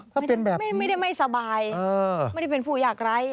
ถ้าเป็นแบบนี้ไม่ได้ไม่สบายไม่ได้เป็นผู้ยากร้าย